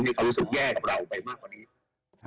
มีความรู้สึกแย่กับเราไปมากกว่านี้